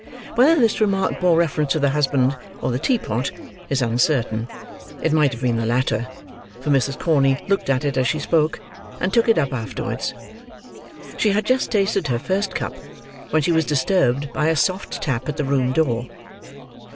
Whether this remark bore reference to the husband, or the teapot, is uncertain. It might have been the latter; for Mrs. Corney looked at it as she spoke; and took it up afterwards. She had just tasted her first cup, when she was disturbed by a soft tap at the room door.